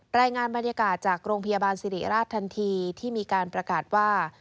รายงานบรรยากาศจากโรงพยาบาลสิริราชทันทีที่มีการประกาศว่า